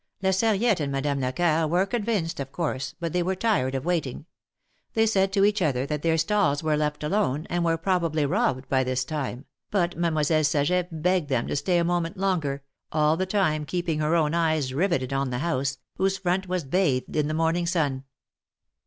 La Sarriette and Madame Lecoeur were convinced, of course, but they were tired of waiting. They said to each other that their stalls were left alone, and were probably robbed by this time, but Mademoiselle Saget begged them to stay a moment longer, all the time keeping her own eyes riveted on the house, whose front was bathed in the morning sun.